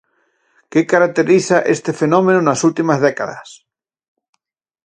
Que caracteriza este fenómeno nas últimas décadas?